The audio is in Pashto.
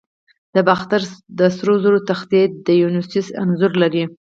د باختر سرو زرو تختې د دیونوسوس انځور لري